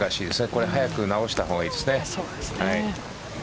これ早く直したほうがいいですね。